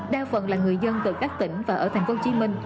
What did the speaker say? đa phần là người dân từ các tỉnh và ở thành phố hồ chí minh